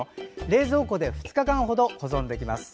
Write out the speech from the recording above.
冷蔵庫で２日間程、保存できます。